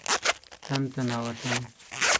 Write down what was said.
تن تنا وطن.